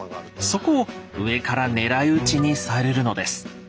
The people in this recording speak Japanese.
そこを上から狙い撃ちにされるのです。